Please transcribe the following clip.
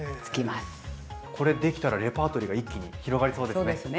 これできたらレパートリーが一気に広がりそうですね。